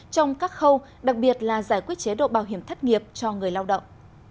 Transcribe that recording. trong các khâu đặc biệt là giải quyết chế độ bảo hiểm thất nghiệp cho người lao động